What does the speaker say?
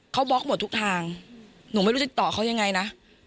เขาบล็อกหมดทุกทางหนูไม่รู้ติดต่อเขายังไงนะ